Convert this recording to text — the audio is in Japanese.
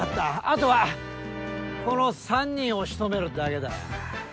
あとはこの３人を仕留めるだけだ。